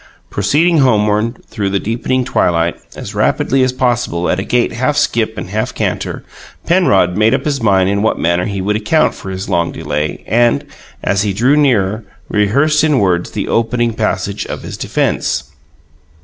Proceeding homeward through the deepening twilight as rapidly as possible, at a gait half skip and half canter, Penrod made up his mind in what manner he would account for his long delay, and, as he drew nearer, rehearsed in words the opening passage of his defence.